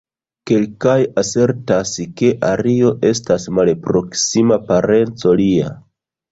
Kelkaj asertas, ke Ario estas malproksima parenco lia.